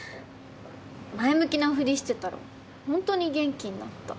前向きなふりしてたらホントに元気になった。